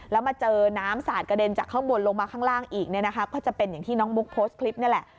แล้วมาเจอน้ำสาดกระเด็นจากข้างบนลงมาข้างล่างอีกเนี่ยนะคะก็จะเป็นอย่างที่น้องมุกโพสต์คลิปนี่แหละ